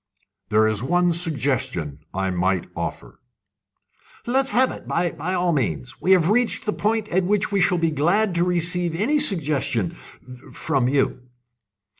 "There is one suggestion I might offer." "Let's have it by all means. We have reached a point at which we shall be glad to receive any suggestion from you."